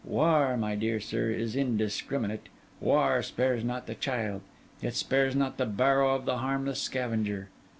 'War, my dear sir, is indiscriminate. War spares not the child; it spares not the barrow of the harmless scavenger.